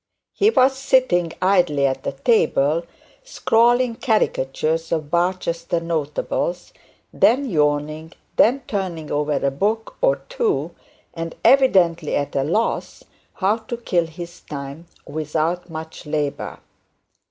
He was sitting idly at the table, scrawling caricatures of Barchester notable, then yawning, then turning over a book or two, and evidently at a loss how kill some time without much labour.